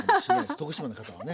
徳島の方はね。